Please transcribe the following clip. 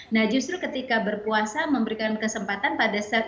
nah justru ketika berpuasa memberikan kesempatan pada sel imunitas